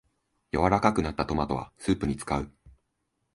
柔らかくなったトマトはスープに使う